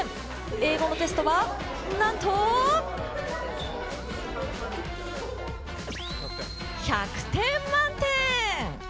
英語のテストは、なんと、１００点満点！